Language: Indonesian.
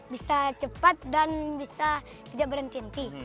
bisa cepat dan bisa tidak berhenti henti